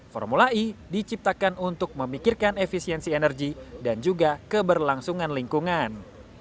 formula e diciptakan untuk memikirkan efisiensi energi dan juga keberlangsungan lingkungan